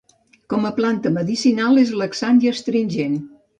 Com a planta medicinal és laxant i astringent.